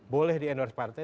boleh di endorse partai